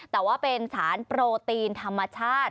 แต่ว่าเป็นสารโปรตีนธรรมชาติ